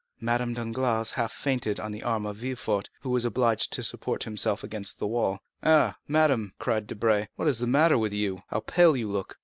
Madame Danglars half fainted on the arm of Villefort, who was obliged to support himself against the wall. "Ah, madame," cried Debray, "what is the matter with you? how pale you look!"